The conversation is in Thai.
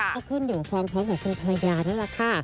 ก็ขึ้นอยู่กับความพร้อมของคุณภรรยานั่นแหละค่ะ